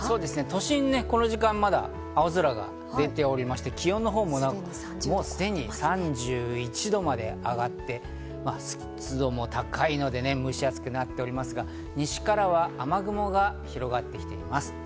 都心、この時間はまだ青空が出ておりまして、気温のほうもすでに３１度まで上がって、湿度も高いので蒸し暑くなっておりますが、西からは雨雲が広がってきています。